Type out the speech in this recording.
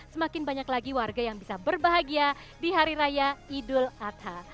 semakin banyak lagi warga yang bisa berbahagia di hari raya idul adha